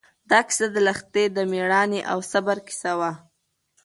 دا کیسه د لښتې د مېړانې او صبر کیسه وه.